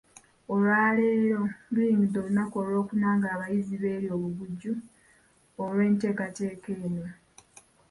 Olwaleero, luyingidde olunaku Olwokuna ng'abayizi beerya obuguju olw'enteekateeka eno.